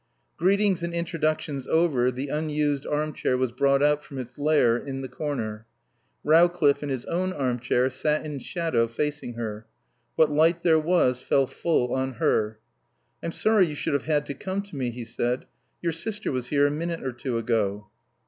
Greetings and introductions over, the unused arm chair was brought out from its lair in the corner. Rowcliffe, in his own arm chair, sat in shadow, facing her. What light there was fell full on her. "I'm sorry you should have had to come to me," he said, "your sister was here a minute or two ago."